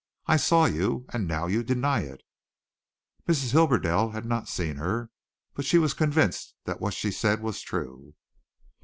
I saw you and now you deny it." Mrs. Hibberdell had not seen her, but she was convinced that what she said was true.